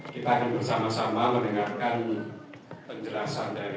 kita akan bersama sama mendengarkan penjelasan dari